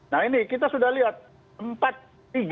nah ini kita sudah lihat